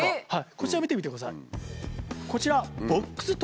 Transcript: こちらを見てみてください。